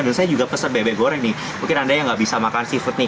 dan saya juga pesan bebek goreng nih mungkin anda yang nggak bisa makan seafood nih